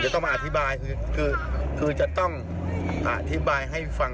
ต้องมาอธิบายคือจะต้องอธิบายให้ฟัง